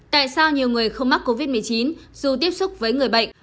tại sao nhiều người không mắc covid một mươi chín dù tiếp xúc với người bệnh